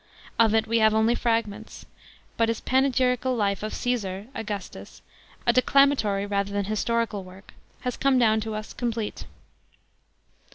Of it we have only fragments. But his pan gyrical life of Caesar (Augustus), a declamatory rather than historical work, has come down to us comi lete.